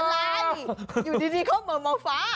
อะไรอยู่ดีเขาเหมือนมองฟ้า